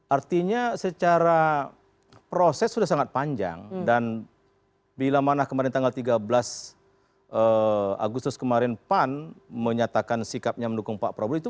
artinya secara proses sudah sangat panjang dan bila mana kemarin tanggal tiga belas agustus kemarin pan menyatakan sikapnya mendukung pak prabowo itu